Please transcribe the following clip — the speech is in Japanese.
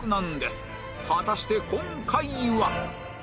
果たして今回は